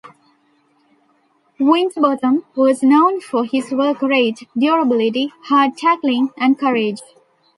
Winterbottom was known for his work rate, durability, hard tackling and courage.